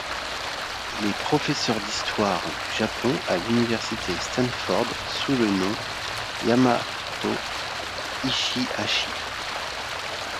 Il est professeur d'histoire du Japon à l'université Stanford sous le nom Yamato Ichihashi.